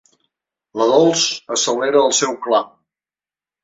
La Dols accelera el seu clam.